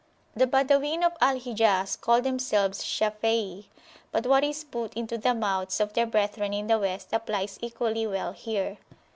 The Badawin of Al Hijaz call themselves Shafei but what is put into the mouths of their brethren in the West applies equally well here.